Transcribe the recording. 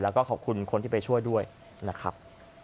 แล้วก็ขอบคุณคนที่ไปช่วยด้วยนะครับ